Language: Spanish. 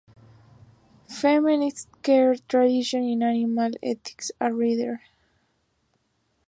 Feminist Care Tradition in Animal Ethics: A Reader.